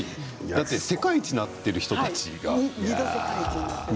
だって世界一になってる人たちだよ。